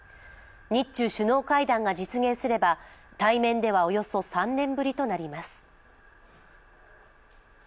日中首脳会談が実現すれば対面ではおよそ３年ぶりとなります